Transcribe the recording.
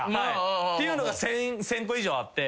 いうのが１，０００個以上あって。